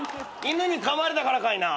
犬にかまれたからかいな。